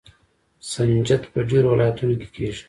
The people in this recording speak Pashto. سنجد په ډیرو ولایتونو کې کیږي.